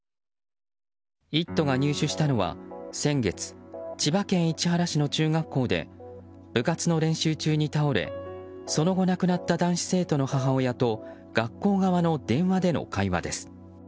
「イット！」が入手したのは先月、千葉県市原市の中学校で部活の練習中に倒れその後亡くなった男子生徒の母親と学校側の電話での会話です。